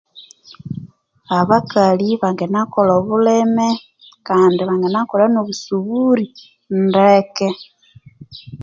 Abakali bangana kolha obulime, kandi banganakolha n'obusuburi ndeke.